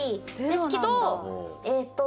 ですけどえっと